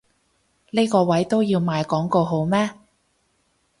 呢個位都要賣廣告好咩？